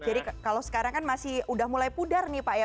jadi kalau sekarang kan masih sudah mulai pudar nih pak ya